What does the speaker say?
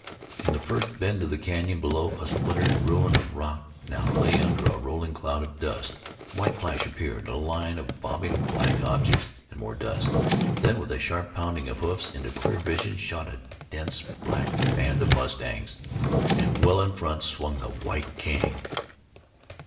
In the first bend of the canyon below, a splintered ruin of rock now lay under a rolling cloud of dust. A white flash appeared, a line of bobbing black objects, and more dust; then with a sharp pounding of hoofs, into clear vision shot a dense black band of mustangs, and well in front swung the White King.